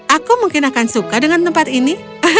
aku mungkin akan suka dengan tempat ini